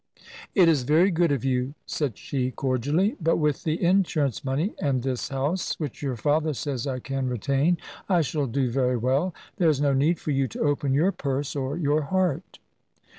"It is very good of you," said she, cordially, "but with the insurance money and this house, which your father says I can retain, I shall do very well. There is no need for you to open your purse, or your heart."